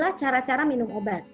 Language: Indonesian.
adalah cara cara minum obat